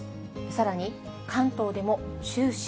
さらに、関東でも注視。